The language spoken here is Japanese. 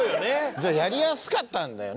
じゃあやりやすかったんだよね